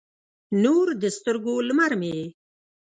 نور د سترګو، لمر مې یې